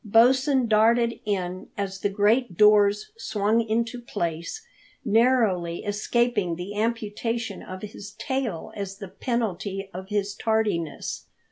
Bosin darted in as the great doors swung into place, narrowly escaping the amputation of his tail as the penalty of his tardiness.